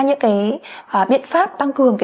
những cái biện pháp tăng cường